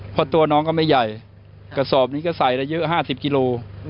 เพราะตัวน้องก็ไม่ใหญ่กระสอบนี้ก็ใส่ได้เยอะ๕๐กิโล